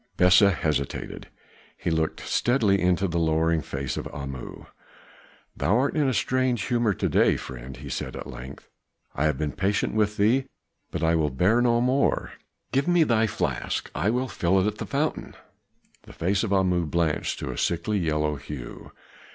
Besa hesitated; he looked steadily into the lowering face of Amu. "Thou art in a strange humor to day, friend," he said at length. "I have been patient with thee, but I will bear no more. Give me thy flask; I will fill it at the fountain." The face of Amu blanched to a sickly yellow hue.